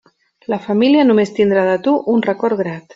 La família només tindrà de tu un record grat.